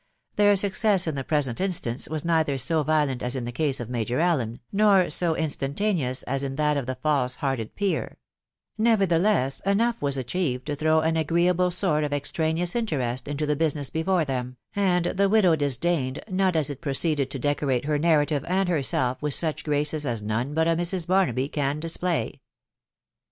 Their success in the present instance was neither so violent as in the case of Major Allen, nor so instantaneous as in that of the false hearted peer ; nevertheless enough was achieved to throw an agreeable sort of extraneous interest into the business before them, and the widow disdained not as it proceeded to decorate her narrative and herself with such graces as none but a Mrs. Barnaby can display.